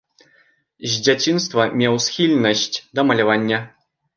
З дзяцінства меў схільнасць да малявання.